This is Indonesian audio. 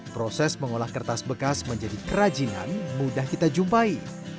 proses mengolah kertas bekas menjadi kerajinan mudah kita jumpai